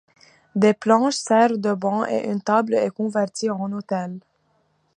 Des planches servent de bancs et une table est convertie en autel.